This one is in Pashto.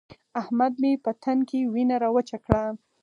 احمد مې په تن کې وينه راوچه کړه.